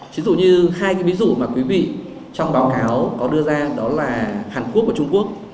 thí dụ như hai cái ví dụ mà quý vị trong báo cáo có đưa ra đó là hàn quốc và trung quốc